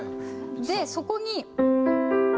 でそこに。